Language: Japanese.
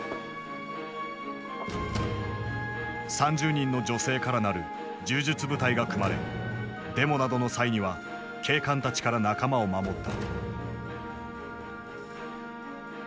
３０人の女性から成る柔術部隊が組まれデモなどの際には警官たちから仲間を守った。